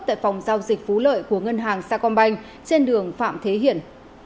tại phòng giao dịch phú lợi của ngân hàng sa công banh trên đường phạm thế hiển